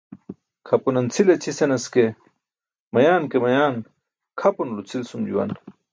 Kʰapunan cʰil aćʰi senas ke, mayan ke mayan kʰapunulo cʰil sum juwan.